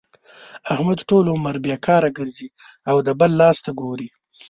احمد ټول عمر بېکاره ګرځي او د بل لاس ته ګوري.